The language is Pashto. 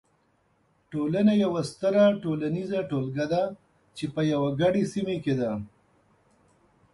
ټولنه یوه ستره ټولنیزه ټولګه ده چې په یوې ګډې سیمې کې ده.